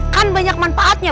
kan banyak manfaatnya